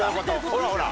ほらほら。